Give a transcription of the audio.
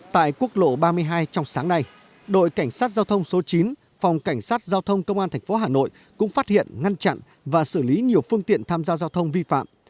tại quốc lộ ba mươi hai trong sáng nay đội cảnh sát giao thông số chín phòng cảnh sát giao thông công an tp hà nội cũng phát hiện ngăn chặn và xử lý nhiều phương tiện tham gia giao thông vi phạm